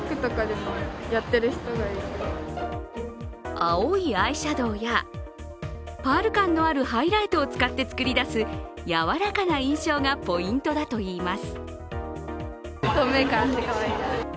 青いアイシャドウや、パール感のあるハイライトを使って作り出すやわらかな印象がポイントだといいます。